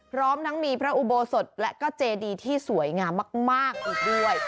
พร้อมทั้งมีพระอุโบสถและก็เจดีที่สวยงามมากอีกด้วย